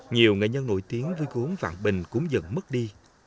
nhiều nghệ nhân nổi tiếng với cuốn vạn bình cũng dần mất đi